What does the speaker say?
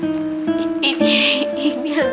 dia temen akrabnya kendi